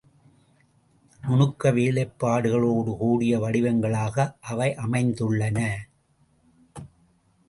நுணுக்க வேலைப் பாடுகளோடு கூடிய வடிவங்களாக அவை அமைந்துள்ளன.